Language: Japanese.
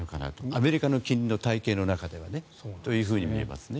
アメリカの金利の体系の中ではと見えますね。